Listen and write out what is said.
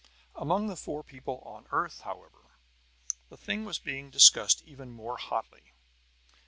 Among the four people on the earth, however, the thing was being discussed even more hotly.